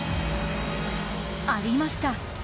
ありました。